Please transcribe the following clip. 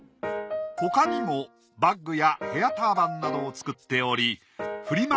他にもバッグやヘアターバンなどを作っておりフリマ